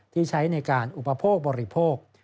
ที่ใช้ในการอุปโภคบริโภค